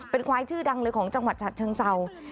เป็นควายชื่อดังเลยของจังหวัดฉัดเชิงเศร้า